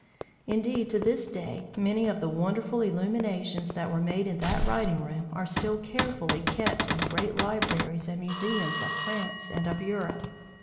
Indeed, to this day, many of the wonderful illuminations that were made in that writing room are still carefully kept in the great libraries and museums of France and of Europe.